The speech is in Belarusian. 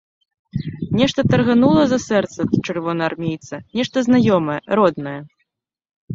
Нешта тарганула за сэрца чырвонаармейца, нешта знаёмае, роднае.